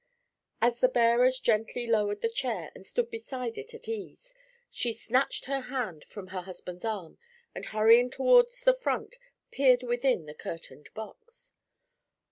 As the bearers gently lowered the chair, and stood beside it at ease, she snatched her hand from her husband's arm, and hurrying towards the front, peered within the curtained box.